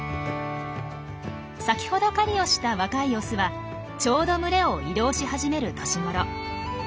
先ほど狩りをした若いオスはちょうど群れを移動し始める年頃。